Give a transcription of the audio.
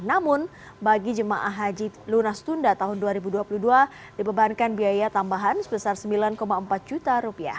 namun bagi jemaah haji lunas tunda tahun dua ribu dua puluh dua dibebankan biaya tambahan sebesar rp sembilan empat juta